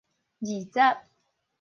二十